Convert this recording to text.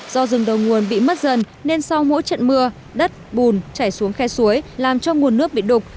do rừng đầu nguồn bị mất dần nên sau mỗi trận mưa đất bùn chảy xuống khe suối làm cho nguồn nước bị đục